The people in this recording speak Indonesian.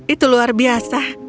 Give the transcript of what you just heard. itu luar biasa